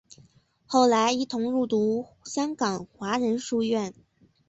后来一同入读香港华仁书院。